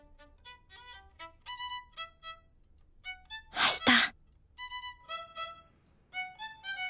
あした。